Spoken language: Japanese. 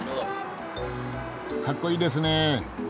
かっこいいですね！